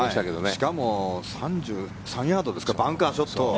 しかも３３ヤードですかバンカーショット。